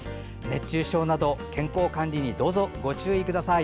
熱中症などの健康管理にご注意ください。